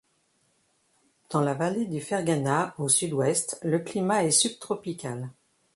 Dans la vallée du Ferghana au Sud-Ouest, le climat est subtropical.